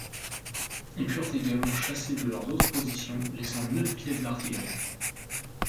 Ils furent également chassés de leurs autres positions, laissant neuf pièces d’artillerie.